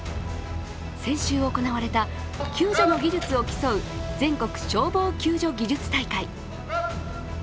先週行われた救助の技術を競う全国消防救助技術大会。